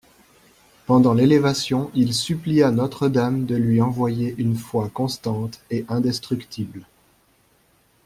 Pendant l'élévation il supplia Notre-Dame de lui envoyer une foi constante et indestructible.